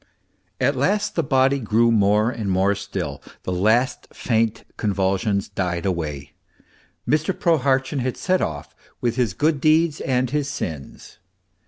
At last the body grew more and more still; the last faint convulsions died aw r ay. Mr. Prohartchin had set off with his good deeds and his sins.